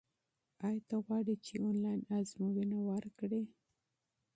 ایا ته غواړې چې آنلاین ازموینه ورکړې؟